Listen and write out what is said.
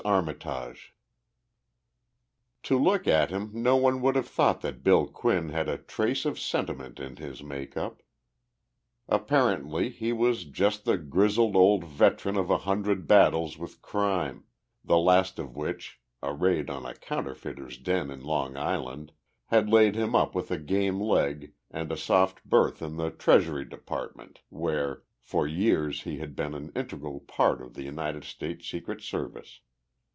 ARMITAGE To look at him no one would have thought that Bill Quinn had a trace of sentiment in his make up. Apparently he was just the grizzled old veteran of a hundred battles with crime, the last of which a raid on a counterfeiter's den in Long Island had laid him up with a game leg and a soft berth in the Treasury Department, where, for years he had been an integral part of the United States Secret Service.